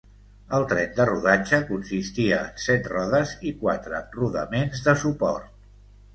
El tren de rodatge consistia en set rodes i quatre rodaments de suport.